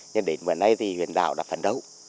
nhưng đến bữa nay thì huyện đảo đã phấn đấu